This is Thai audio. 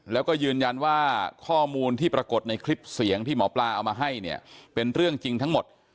แล้วก็ยืนยันว่าข้อมูลที่ปรากฏในคลิปเสียงที่หมอปลาเอามาให้เนี่ยเป็นเรื่องจริงทั้งหมด